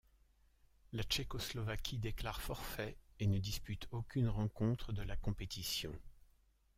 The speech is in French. La Tchécoslovaquie déclare forfait et ne dispute aucune rencontre de la compétition.